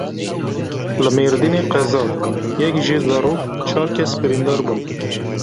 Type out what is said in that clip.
Li Mêrdînê qeza: yek jê zarok çar kes birîndar bûn.